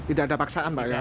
tidak ada paksaan mbak ya